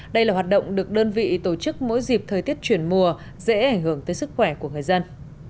đây là hoạt động được đơn vị tổ chức mỗi dịp thời tiết chuyển mùa dễ ảnh hưởng tới sức khỏe của người dân